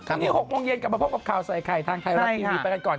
พรุ่งนี้๖โมงเย็นกลับมาพบกับข่าวใส่ไข่ทางไทยรัฐทีวีไปกันก่อน